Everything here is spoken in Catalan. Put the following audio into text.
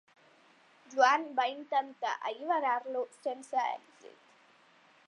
Joan va intentar alliberar-lo sense èxit.